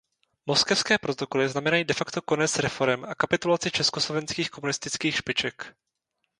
Moskevské protokoly znamenající de facto konec reforem a kapitulaci československých komunistických špiček.